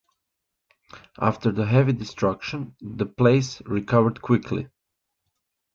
After the heavy destruction, the place recovered quickly.